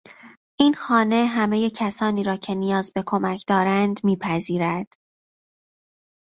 این خانه همهی کسانی را که نیاز به کمک دارند میپذیرد.